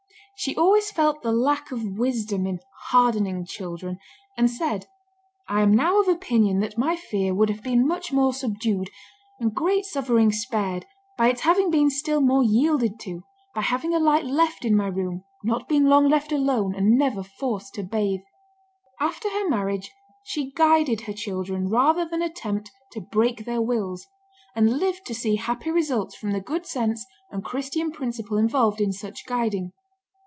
She always felt the lack of wisdom in "hardening" children, and said, "I am now of opinion that my fear would have been much more subdued, and great suffering spared, by its having been still more yielded to: by having a light left in my room, not being long left alone, and never forced to bathe." After her marriage she guided her children rather than attempt "to break their wills," and lived to see happy results from the good sense and Christian principle involved in such guiding.